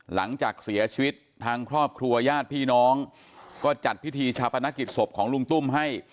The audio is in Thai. หลังจากเสียชีวิตทางครอบครัวญาติพี่น้องก็จัดพิธีชาปนกิจศพของลุงตุ้มให้